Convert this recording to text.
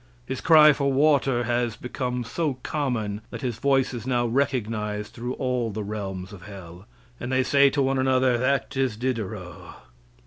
His cry for water has, become so common that his voice is now recognized through all the realms of hell, and they say to one another, "That is Diderot."